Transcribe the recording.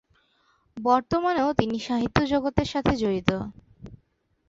বর্তমানেও তিনি সাহিত্য জগতের সহিত জড়িত।